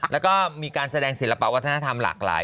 แล้วก็มีการแสดงศิลปะวัฒนธรรมหลากหลาย